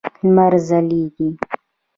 لمر ځلېږي.